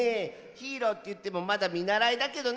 ヒーローっていってもまだみならいだけどね。